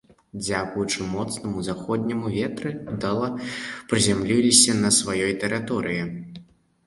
Дзякуючы моцнаму заходняму ветры ўдала прызямліліся на сваёй тэрыторыі.